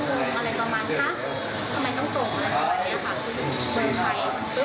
ติดต่อไม่ได้